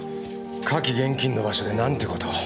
火気厳禁の場所で何てことを。